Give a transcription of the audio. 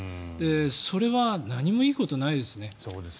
それは何もいいことないですね。